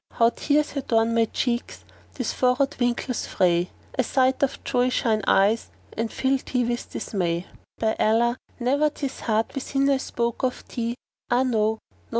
* How tears adorn my cheeks, these furrowed wrinkles fray? A sight to joy shine eyes and fill thee with dismay.[FN#458] By Allah ne'er this heart within I spoke of thee; * Ah no!